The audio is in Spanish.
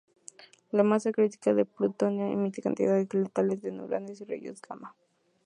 La masa crítica del plutonio emite cantidades letales de neutrones y rayos gamma.